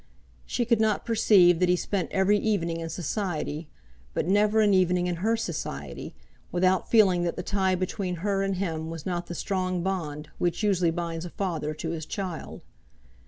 She could not perceive that he spent every evening in society, but never an evening in her society, without feeling that the tie between her and him was not the strong bond which usually binds a father to his child.